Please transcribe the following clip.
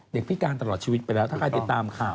พิการตลอดชีวิตไปแล้วถ้าใครติดตามข่าว